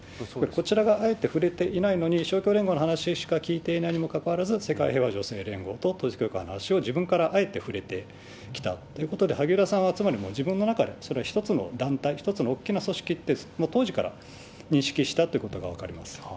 こちらがあえて触れていないのに、勝共連合の話しか聞いていないにもかかわらず、世界平和女性連合と統一教会の話を自分からあえて触れてきたということで、萩生田さんはつまり自分の中で、それは一つの団体、一つの大きな組織って、当時から認識したということが分かります。